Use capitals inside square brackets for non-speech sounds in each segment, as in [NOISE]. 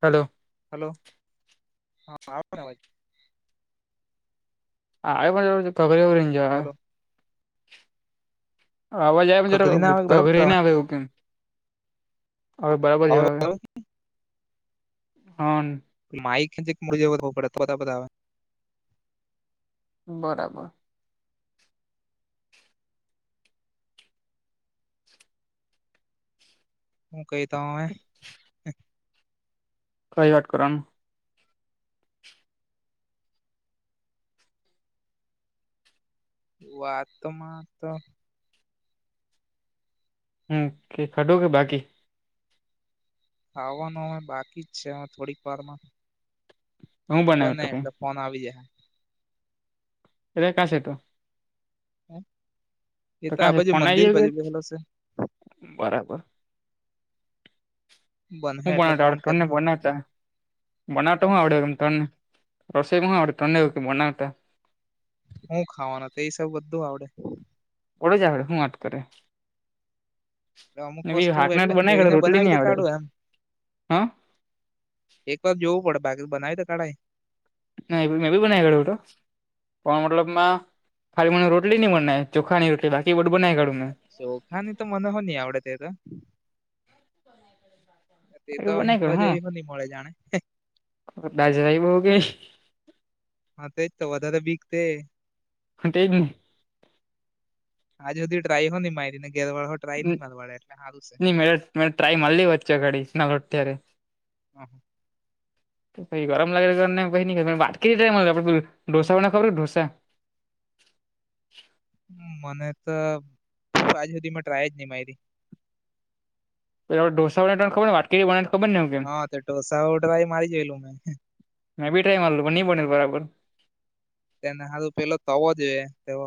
Hello hello હા આવૅ છે ને અવાજ હલો [UNINTELLIGIBLE] અવાજ કકરી ના આવેજ આવે બરાબર કવરેજ માં આવે એવું કેમ હવે બરાબર જેવા હ આવે હા [UNINTELLIGIBLE] બરાબર હું કહીતા કઈ વાત કરવાની વાત તોમાં તો હ ખાધું કે બાકી ખાવાનું હવે બાકી જ છે થોડીક વારમાં હું બનાવ્યો બને તો એટલે ફોન આવી જાય રખાશે એ તો હ એ તો કા આ છે બાજુ ફોન મંદિર આવી ગયો કે બાજુ બેહેલો છે બરાબર બને હું એટલે બનાવતા ફોન આવડ કર તને બનાવતા બનાવતો શું આવડ્યો તને રસોઇ હુ આવડે તને બનાવતા હું ખાવાનો તે હિસાબે બધું આવડે ઓડજડ હું આટકે અમુક વસ્તુ હાથ ના એટલે બનાવી કાઢે જોઈને રોટલી બનાવી નહી તો આવડે કાઢો એમ હા એક વાર જ જોવું પડે બાકી બનાવી તો કઢાય ના મેં બી બનાવી કાઢુ તો પણ મતલબમાં ખાલી મને રોટલી ની બનાય ચોખાની રોટલી બાકી બધું બનાય કાઢુ મે ચોખાની તો મને હો ની આવડે તે તો તે તો બનાવી કાઢું હિંખવા જેવી હો મળે જાણે દાજરાઈ વો ગઈ હ એ તો વધારે બીકતે હ તે જ ની આજ સુદી ટ્રાઈ હો ની મારીને ગેરવાળ હો ન મે મે ટ્રાય મારેલી વચ્ચે ઘડી અત્યારે અ હ ગરમ લાગે વાત કરી ઢોસાને ખબર ઢોસા મને તો આજુ સુધી મે ટ્રાય જ નહી મારી પેલા ઢોસાવાળા નીખબર વાત કે વણ ખબરને હા તો ઢોસા ઉઢવાય મારી જયેલું મેં મેં બી ટ્રાય મારેલું પણ ની બનેલુ બરાબર એને હારું પેલો તવો જવ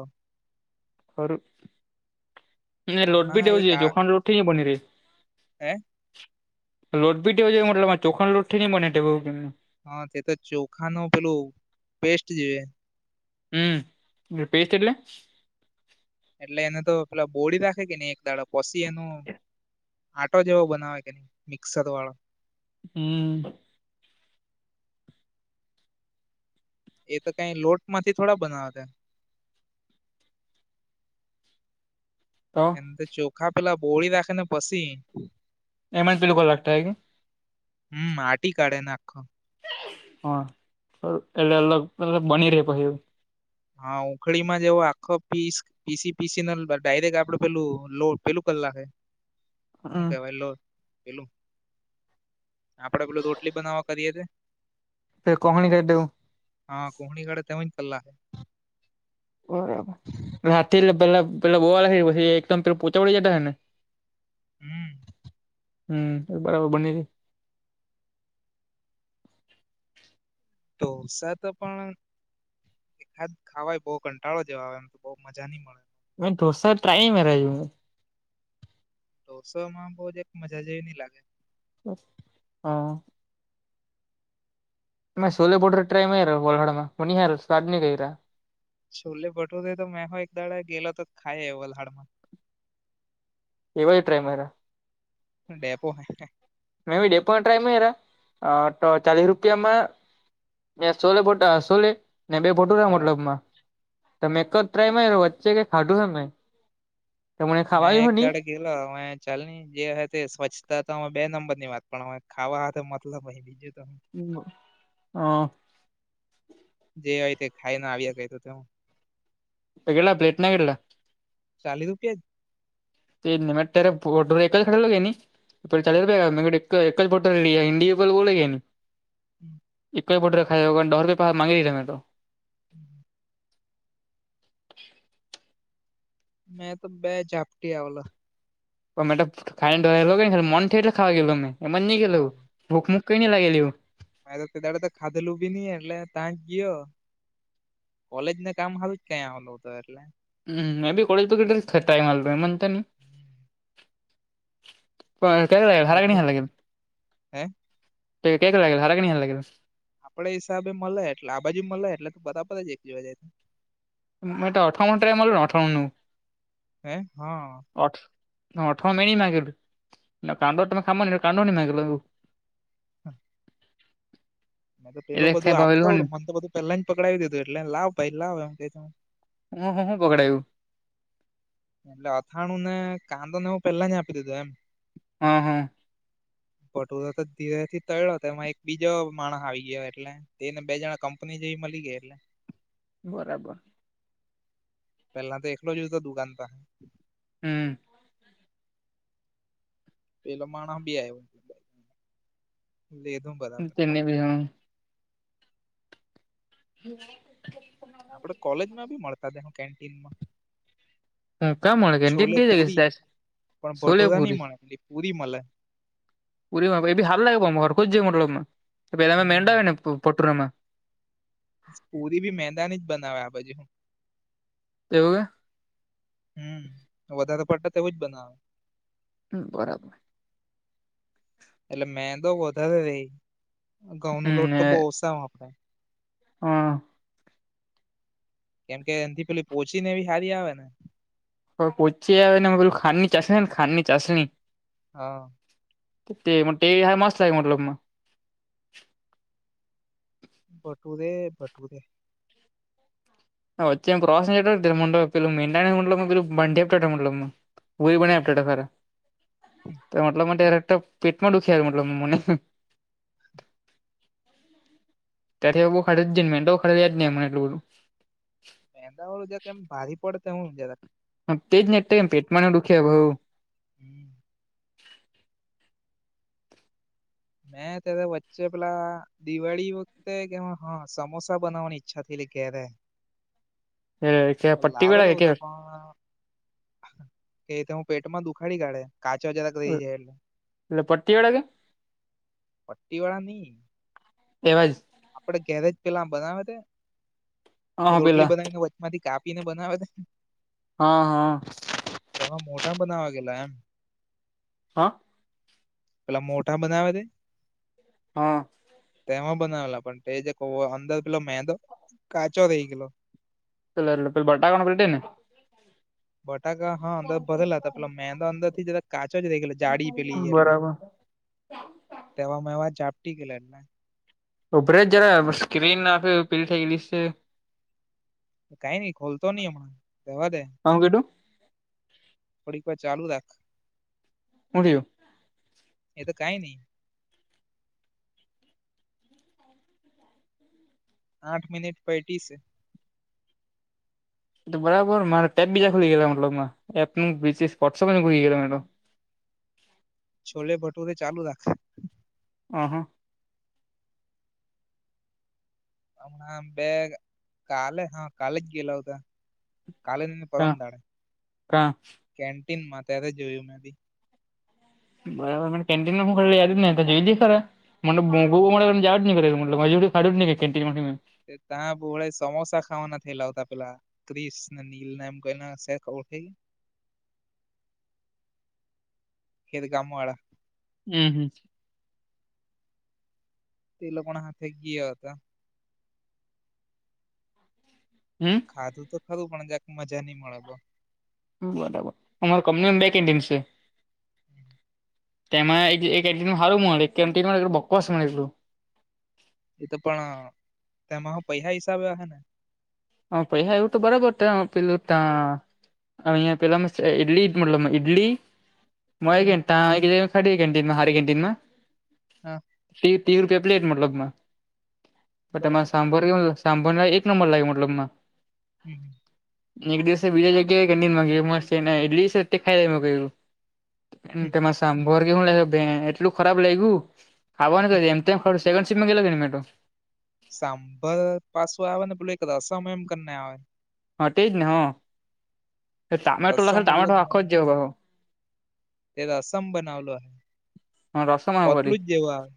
ખરું લોટ બી હમણાં દવું છે જોખાણ લોટ ન બની ર હ લોટ બી તેવો જોયે મતલબમાં ચોખણ લોટથી ની બને તેવો કેમ હા તે તો ચોખા નું પેલું પેસ્ટ જે હમ પેસ્ટ એટલે એટલે એને તો પેલા બોળી નાખે કે ની એક દાડા પછી એનું આટો જેવો બનાવે કે ની મિક્સર વાળો હમ એ તો કઈ લોટ માંથી થોડા બનાવે ત તો એને ચોખા પેલા બોળી રાખે ને પછી એમ જ પેલું [UNINTELLIGIBLE] હમ માટી કાઢે ને આખો હા એટલે અલગ અલગ બની રેહ પહી હા ઉખડીમાં જેવો આખો પીસ પીસી પીસીને ડાયરેક્ટ આપડે પેલું લો પેલું કરી લાખે હું હમ કેવાય લો પેલું આપડે પેલું રોટલી બનાવા કરીએ તે એ કહણી કરી દવું હા કોહણી કડે તેવુજ પેલા બરાબર એટલે પેલા [UNINTELLIGIBLE] પોંચા વડી જતા હને હમ હમ એ બરાબર બની તો સાપે પણ એ ખાદ ખાવાય બો કંટાળો જવા આવે એમ તો બો મજા ની મળે મે દોસા ટ્રાય મારાયવુ ઢોસોમાં બો જક મજા જેવી ની લાગે હા મે સોલે બોડર ટ્રાય [UNINTELLIGIBLE] સ્વાદ ની કઈરા છોલે બટર તો મેહો એકદાડા ગેલો તો ખાય [UNINTELLIGIBLE] એવા ટ્રાય મારા ડેપો હે મે ડેપો મા ટ્રાય ની માયરા અ ચાલીસ રૂપિયામાં મેં સોલે પોટા સોલે ને બે [UNINTELLIGIBLE] હા મતલબમાં તો મેં એક જ ટ્રાય વચ્ચે કે ખાધું છે મેં એક દાડે ગેલો હવે ચાલની જે ઓહે તે સ્વચ્છતા તા બે નંબર ની વાત પણ હવે ખાવા હાથે મતલબ બીજુ તો હું ઉમાં હા જે હોય તે ખાઈને આવ્યા કયરુ તો તો કેટલા પ્લેટના કેટલા ચાલિસ રૂપિયાજ [UNINTELLIGIBLE] તો એક જ હા બોટલ લિયા [UNINTELLIGIBLE] બોલે કે ની હમ એકજ બોડર ખાયા દહ રૂપિયા માંગી લીધા મેં તો હમ મેં તો બે ઝાપટી આવેલા તો મેતો હા [UNINTELLIGIBLE] મેં તો કેદાડે તો ખાધેલું બી ની એટલે તાજ ગીયો કોલેજને કામ હારૂ જ ક્યા આવેલો હતો એટલે હમ મે બી ખાધું હે [UNINTELLIGIBLE] [UNINTELLIGIBLE] આપડે હિસાબે મળે એટલે આ બાજુ મળે એટલે તો બધા પર જ એક જવા જાય એ એ તો અઠમણ ટ્રેમ મારલ અઠ મણનું. હે હા. ઠ અઠરો મે માગ. ના કાંદ તમે ખામ નની એ કાંદ નની માાગીલો તું. હા. મેં તો પેલો એટલે કઈ બધું ભાવેલું આપતો હોું મને તો બધ પેલા જ પકડાવીું એટલે લાવ ભાઈ લાવ એમ કે. હ હ હ બગઘડું. એટલે અથાણું ને કાંદો ને હું પેલા ની આપી દીધું એમ હા હા. પટુરો તો ધીરે થી તળ્યો એમાં એક બીજો માણસ આવી ગયો એટલે. તેને બે જણા કંપની જેવી મળી ગયા એટલે. બરાબર. પહેલા તો દખલો લો જ તો દુગંધ ત હ. હમ. પેલો માણસ બી આવ્યો. એદ [INAUDIBLE] તેને બ હ [INAUDIBLE] હા [INAUDIBLE] આપડે કોલેજમાં ભી મળતા હતા હું કેન્ટીનમાં. ક્યાં મળે કેન્ટીન છોલે કઈ જગ્યાએ છે પુરી સાહેબ પણ છોલે ભટોરા પૂરી નહી મળે એટલે પુરી મળે. ઉ એ હાલ લાગેર ખજ જ એ હમ મં ને પટરમાં. પુરી ભી મેદાની જ બનાવે આ બાજુ. તેવું કે. હમ વધારે પડતા તેવું જ બનાવે. હમ બરાબર. એટલે મેદો વધારે રહી ઘઉં ન લોટ તો બહુ ઓસા આપડે. હઅ. કેમ કે એથી પેલી પોહચી ને એવી હારી આવે ને. હ પચી આવે બલું ખાનની ચા ને ખાન ચાશની. હા. તે મતલબ તે હાય મસ્તય મલ. ભટુરે ભટુરે. હચ એમ પ્રોસાસહ છેં પલ મંડાનેમ પલ બંડીપમલમ. વહી બનેયા હમ આપણેટ ખ. મતલબ ત્યારેક પેટમાં દુખ્યા મતલબ મમને. ત્યારે એ બહ ખર જ ને તો ખ જ નહી એટલ બધું. મેંદાવાળું જ કેમ ભારે પડ ત હું જરા. તેજ એમ પેટમાંને દુખ્યા ભઉ. હમ. મે તો એ વચે પલા દિવાળી વખતે કે હા સમોસા બનાવવાની ઈચ્છા થઈ એટલે ઘેરે. કે પટ્ટી લાવેલો વાળા કે તો પણ કે તે હું પેટ માં દુખાડી કાઢે. કાચો જરા ક રહી જાય એટલે પટ્ટી વાળા કે પટી વાળ ની. એવાજ. આપડે ઘેરેજ પેલા બનાવે તે હા રોટલી પેલા બનાવીને માંથી કાપીને બનાવે તે. હા હા તેમાં મોટા બનાવવા ગેલા એમ હા પેલા મોટા બનાવે દે. હા. તેમાં બનાવેલા પણ તે જે કહો અંદર પેલો મેંદો કાચો રહી ગયેલો પ પ બટા કણકીે ને [INAUDIBLE] બટાકા હા અંદર ભરેલા હતા પેલા મેંદા અંદર થી જરાક કાચો જ રઈ ગેલો જાડી પેલી બરાબર. તેવા મેવા જાપટી ગેલા ના. ઉપરે જરા સ્ક્રીન ને આપે પીલી થઈ ગી છે. કઈ નઈ ખોલતો નહી રેવા દે. આવ કિધુ. થોડીક વાર ચાલુ રાખ. હું થિયુ. એ તો કઈ નહી. આઠ મિનિટ પૈટી સે. બરાબર મારા ટેપ બીજા ખુલી ગેયા મતલબ મા એપ વોસઅપ ન ખૂલી ગયા તો. છોલે ભટુરે ચાલુ રાખા. આહા. હમણા બેગ કાલે હા કાલે જ ગીલ હોતા કાલે. કા પરમ દાડે કા કેન્ટીનમાં ત્યારે જોયું મે ભી. બરાબર મને કેન્ટીનને ખે યાદ નહી તો જોઈ દે ખરા મને [INAUDIBLE] મળેને જ જ ન ખે ખાદુ નહિ કેન્ટિન માથી મે. ત્યાં ભોળ સમોસા ખાવાના થઈલા હોતા પેલા તિસ નીલ ના એમ કોના શેર થ ગયા. એ તો ગામ વાળા. હમ હમ. તે લોકો હાથે ગીયા હતા. હમ. ખાધું તો ખરું પણ મજાક મજા નહી મળે. બરાબર અમારો કંપની બેકન્ડિમ છે. તેમાં એક એક નુ હારું મળે કેન્ટિન વારા બકવાસ મળે એટલું એ તો પણ તેમાં હ પૈસા હિસાબે હ ને. હ પૈસાાઈ ઉટું બરાબતા પીલ ઉટ અ પેલા ઇડલીમાં ઇડલી. મોળ હમ ગેન્ટા ખડી [INAUDIBLE] ગેટનુંમાં હર ગેન્ટનુંમાં હા. તી તી રૂપિયા પ્લેટ મતલબમાંમાં કે તમા બરાબર સાંભાર કે સાંભર એક નંબર લાગે. ઓલમાં હમ [INAUDIBLE] એક દિવસે બીજા જગ્યાએ [INAUDIBLE] ક ફેમસ છે ને એટતે ખાઈ લ કું હમ. તેમાં સાંભોર શું લ એટલું ખરાબ લઈ ગું ખાવા ને ક એમમ ખ સેન્ડ સપમાં ગ કે ન મેટો [INAUDIBLE] સાંભર પાછું આવે ને પેલું એક રસમ એમ કરીને આવે. હા તેજને હ. એ ટમેટો લખા રસમ તો અલગ ટમેટો ને આખો જવ ક હો તે તો રસમ બનાવલો હ. હ રસ મા વરી. પોતલું જ જેવું આવે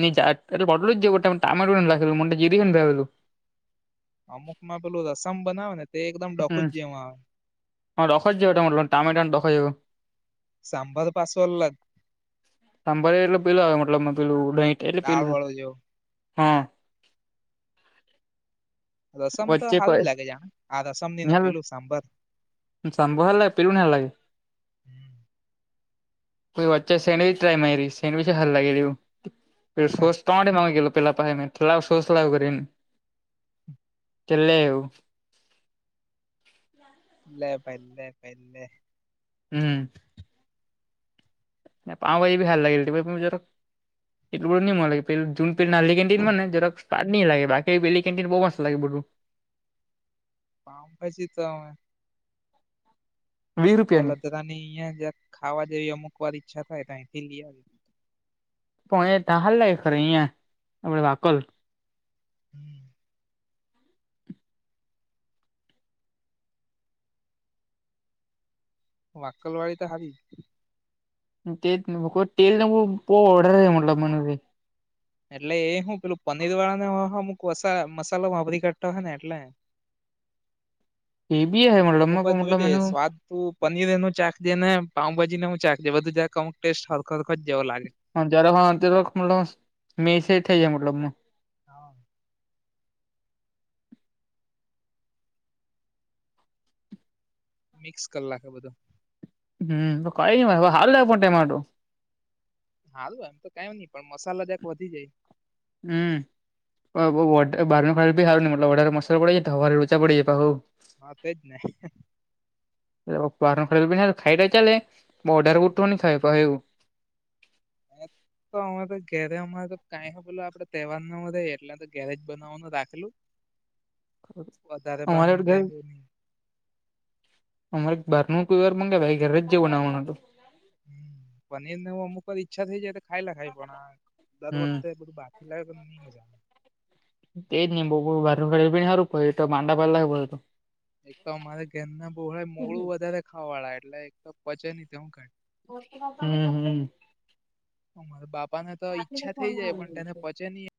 બટલું જ ટમેટું ને લખેલું મોટા જીરીને લખેલું. અમુક માં પેલું રસમ બનાવે ને તે એકદમ ડખું જ જેમાં આવે. હ રખ જ એ ટમેટ [INAUDIBLE] રખ જો સાંભાર પાસો અલગ. સાંભરે એટલે પીલું આવે મતલબ પેલું દહીંઠ એટલે દાળ પીલું વાળો જેવો હા. રસમ તો વચ્ચે હાલું જ લાગે આ આ રસમ ની ને પેલું સાંભર. સાંભળ લે પેલું ના લઈ હમ. કોઈ વચ્ચે સેન્ડવીચ ટ્રાય મારી સેન્ડવીચ જ હારું લાગ્યું પેલુ સોસ [UNINTELLIGIBLE] પેલા પાહે મેં લાવ સોસ કરીને છેલ્લે એવું. [INAUDIBLE] લે ભાઈ લે કઈ રીતે. હમ્મ. ને પાઉ ભાઈ એ [UNINTELLIGIBLE] તો એટલું બધું નહી મળે પહેલું દૂર પેલુ નળી કેન્ટીન મને જક્ટ સ્વાદની લાગે બાકી પેલી કેન્ટીન બહુ મસ્ત લાગે બધું. પાવભાજી તો વીસ હ રૂપિયાની લધાની અહં જ ખાવા જેવી અમુક વાર ઈચ્છા થાય ત્યાંથી લઈ આવ્યા. પણ એ [UNINTELLIGIBLE] લાગ ખરે અહિયાં આપડે વાકલ [UNINTELLIGIBLE] વકલવાડી તો હારી. [UNINTELLIGIBLE] એટલે એ હું પેલું પનીર વાળા ને અમુક વ મસાલો વાપરી કાઢતા હોય ને એટલે. એવી હોય અમુક વાર જોઈ લઈએ સ્વાદ તું પનીર એનું ચાક દે ને પાઉભાજીને હું ચાક દે બધું જાક અમક ટેસ્ટ હરખર જ જેવો લાગે. હા જરાક હા [UNINTELLIGIBLE] મતલબ મે સે થઈ જાય મતલબ માં. હા. મિક્સ કર લાખે બધા. હમ્મ તો કઈ ને હાલ [UNINTELLIGIBLE] હારું એમ તો કઈ નહી પણ મસાલે જરાક વધી જાય. હમ્મ. વા બો વરડે બારના મસાલા બી હારુ ની મતલબ વધારે મસાલો પડી જાય તો હવારે લોચા પડી જાય પહૂ હા તે જ ને. [UNINTELLIGIBLE] ખાય લે ચાલે બો વધારે ઉઠું ખાય પર એવું. એ તો અમે તો ઘેરે અમારે તો કઈ બોલ આપડે તહેવાર ન રે એટલે તો ઘેરેજ બનાવવાનું રાખેલું. વધારે બહાર અમારે નું ઘર કઈ બી અમારે બાર નું કોઈ વાર મંગાવે ભાઈ ઘરે જવો નાવાનું હતું. હમ્મ પનીરને અમુક વાત ઈચ્છા થઈ જાય તો ખાઈલા ખાય પણ આ દર હમ વખતે બધું બાકી [UNINTELLIGIBLE] ની મજા તેજને કોઈ કોઈક વાર [UNINTELLIGIBLE] કોઈ તો માંદા પડેલા આવું હોય તો. એક તો અમારે ઘરના બોળા મોડું વધારે ખાવા વાળા એટલે એક તો પચે નહીં તે હું કંઈ. હમ્મ હમ્મ. મારા બાપા ને તો ઈચ્છા થઈ જાય પણ તેને પચે નહી